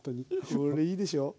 これいいでしょ。